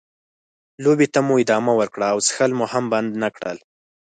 لوبې ته مو ادامه ورکړه او څښل مو هم بند نه کړل.